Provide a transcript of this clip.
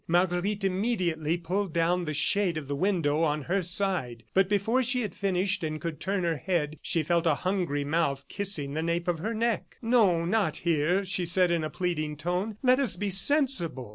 Marguerite immediately pulled down the shade of the window on her side, but, before she had finished and could turn her head, she felt a hungry mouth kissing the nape of her neck. "No, not here," she said in a pleading tone. "Let us be sensible!"